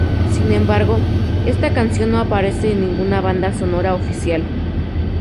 Sin embargo, esta canción no aparece en ninguna banda sonora oficial.